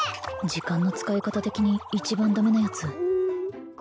時間の使い方的に一番ダメなやつううっ